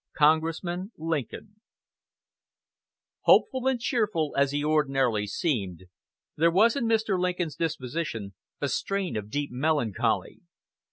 CONGRESSMAN LINCOLN Hopeful and cheerful as he ordinarily seemed, there was in Mr. Lincoln's disposition a strain of deep melancholy.